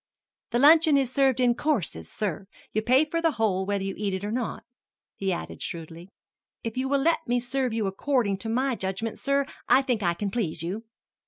"The luncheon is served in courses, sir; you pay for the whole whether you eat it or not," he added shrewdly. "If you will let me serve you according to my judgment, sir, I think I can please you."